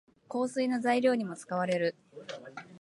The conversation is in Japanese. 香水の材料にも使われる。